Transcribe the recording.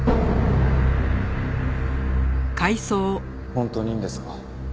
本当にいいんですか？